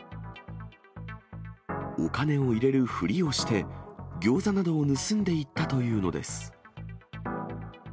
お金を入れるふりをして、ギョーザなどを盗んでいったというのです。